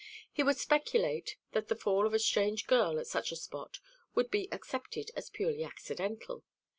He would speculate that the fall of a strange girl at such a spot would be accepted as purely accidental.